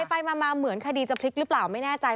ไปมาเหมือนคดีจะพลิกหรือเปล่าไม่แน่ใจ